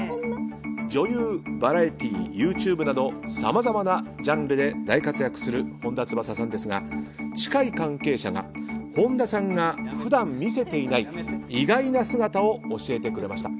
女優、バラエティーＹｏｕＴｕｂｅなどさまざまなジャンルで大活躍する本田翼さんですが近い関係者が本田さんが普段見せていない意外な姿を教えてくれました。